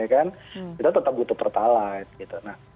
kita tetap butuh pertalaid